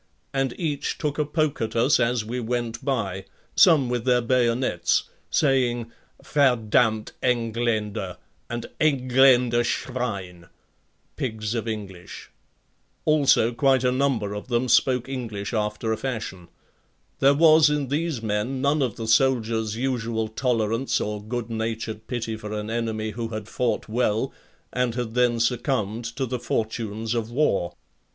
And each took a poke at us as we went by, some with their bayonets, saying: "Verdamnt Engländer" and: "Engländer Schwein," pigs of English. Also quite a number of them spoke English after a fashion. There was in these men none of the soldier's usual tolerance or good natured pity for an enemy who had fought well and had then succumbed to the fortunes of war.